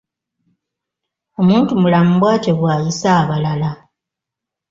Omuntumulamu bwatyo bw'ayisa abalala.